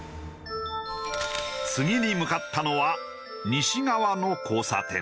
次に向かったのは西側の交差点。